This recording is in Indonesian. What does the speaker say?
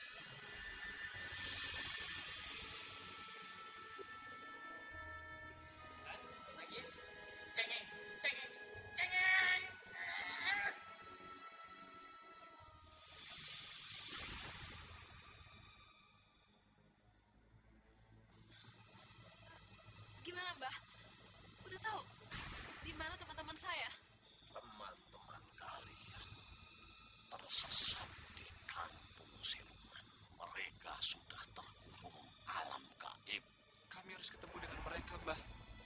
hai gimana mbah udah tahu dimana teman teman saya teman teman kalian tersesat di kampung siluman mereka sudah tergurung alam kaget kami harus ketemu dengan mereka mbah